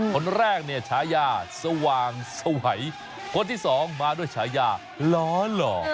คนแรกเนี่ยฉายาสว่างสวัยคนที่สองมาด้วยฉายาล้อหล่อ